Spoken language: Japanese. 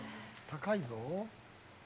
高いぞ。